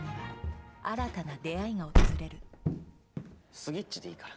スギッチでいいか。